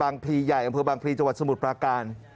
บางพรีใหญ่ของบางพรีจังหวัดสมุทรประการ